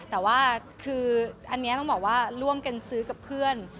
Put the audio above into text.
แต่ว่าคืออันนี้ต้องบอกว่าร่วมกันซื้อกับเพื่อน